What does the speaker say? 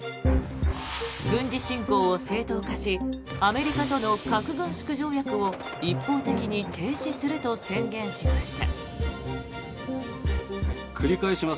軍事侵攻を正当化しアメリカとの核軍縮条約を一方的に停止すると宣言しました。